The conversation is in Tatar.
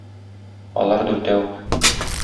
Алар дүртәү.